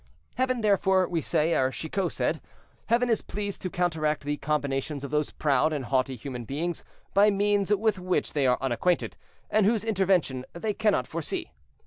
Heaven, therefore we say, or Chicot said, Heaven is pleased to counteract the combinations of those proud and haughty human beings by means with which they are unacquainted, and whose intervention they cannot foresee.